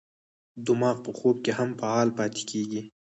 دماغ په خوب کې هم فعال پاتې کېږي.